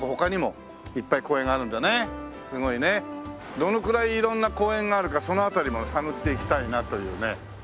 どのくらい色んな公園があるかその辺りも探っていきたいなというね。